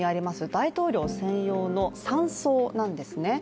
大統領専用の山荘なんですね。